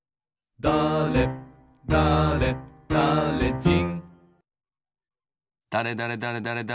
「だれだれだれじん」